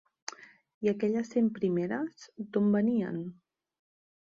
I aquelles cent primeres, d'on venien?